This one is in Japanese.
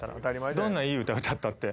どんないい歌歌ったって。